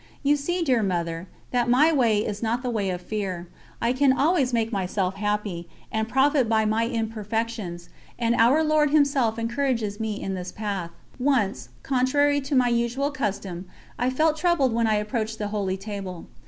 You see, dear Mother, that my way is not the way of fear; I can always make myself happy, and profit by my imperfections, and Our Lord Himself encourages me in this path. Once, contrary to my usual custom, I felt troubled when I approached the Holy Table.